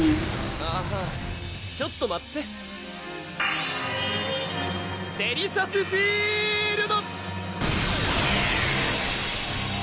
あちょっと待ってデリシャスフィールド！